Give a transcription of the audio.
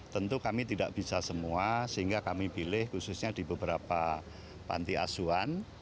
tentu kami tidak bisa semua sehingga kami pilih khususnya di beberapa panti asuhan